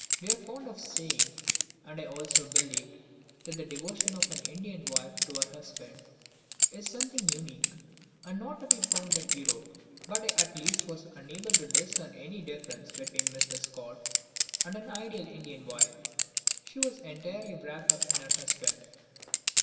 We are fond of saying, and I also believed, that the devotion of an Indian wife to her husband is something unique, and not to be found in Europe. But I at least was unable to discern any difference between Mrs. Scott and an ideal Indian wife. She was entirely wrapped up in her husband.